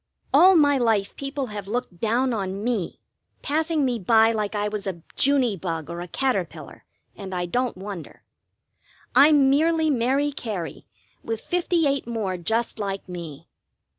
All my life people have looked down on me, passing me by like I was a Juny bug or a caterpillar, and I don't wonder. I'm merely Mary Cary with fifty eight more just like me.